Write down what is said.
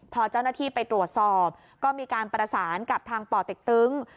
พอเจ้าหน้าที่ไปตรวจสอบก็มีการประสานกับทางป่อเต็กตึ้ง